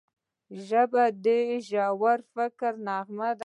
ژبه د ژور فکر نغمه ده